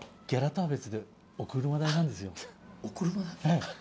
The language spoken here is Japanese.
はい。